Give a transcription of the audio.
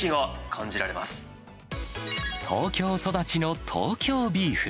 東京育ちの東京ビーフ。